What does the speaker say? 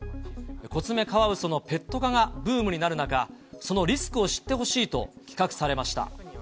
コツメカワウソのペット化がブームになる中、そのリスクを知ってほしいと企画されました。